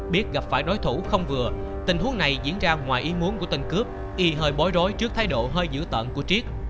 biết gặp phải đối thủ không vừa tình huống này diễn ra ngoài ý muốn của tên cướp y hơi bối rối trước thái độ hơi dữ tợn của triết